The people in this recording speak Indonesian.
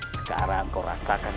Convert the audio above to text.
sekarang kau rasakan